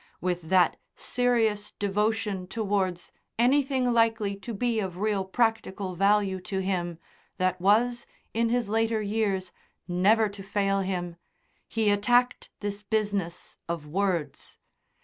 With that serious devotion towards anything likely to be of real practical value to him that was, in his later years, never to fail him, he attacked this business of "words."